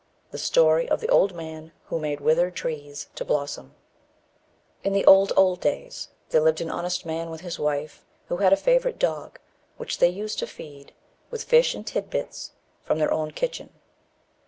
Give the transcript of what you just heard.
THE STORY OF THE OLD MAN WHO MADE WITHERED TREES TO BLOSSOM In the old, old days, there lived an honest man with his wife, who had a favourite dog, which they used to feed with fish and titbits from their own kitchen.